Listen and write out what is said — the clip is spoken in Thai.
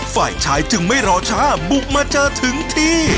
ฝ่ายชายจึงไม่รอช้าบุกมาเจอถึงที่